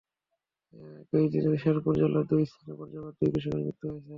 একই দিনে শেরপুর জেলার দুই স্থানে বজ্রপাতে দুই কৃষকের মৃত্যু হয়েছে।